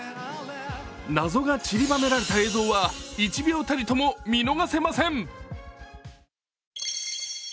謎がちりばめられた映像は１秒たりとも見逃せません。